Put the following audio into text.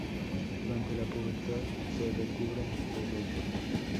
Durante la pubertad se recubre de vello.